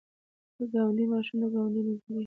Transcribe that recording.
د ګاونډي ماشوم د ګاونډۍ نجلۍ.